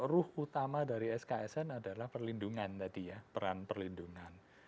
ruh utama dari sksn adalah perlindungan tadi ya peran perlindungan